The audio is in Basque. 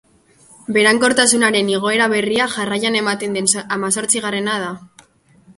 Berankortasunaren igoera berria jarraian ematen den hamazortzigarrena da.